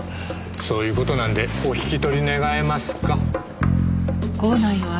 そういう事なんでお引き取り願えますか？